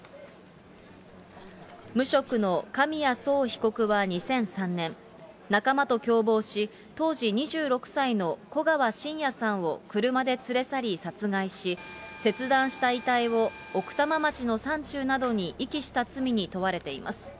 無職の紙谷惣被告は２００３年、仲間と共謀し、当時２６歳のこがわしんやさんを車で連れ去り殺害し、切断した遺体を奥多摩町の山中などに遺棄した罪に問われています。